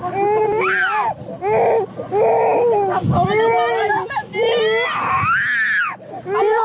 ว่ามาสูญตลงทีแล้ว